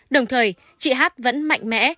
đồng thời chị h vẫn mạnh mẽ